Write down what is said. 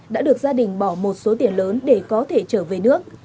đã được gia đình bỏ một số tiền lớn để có thể trở về nước